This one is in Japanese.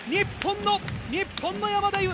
日本の山田美諭！